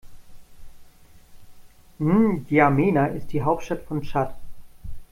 N’Djamena ist die Hauptstadt von Tschad.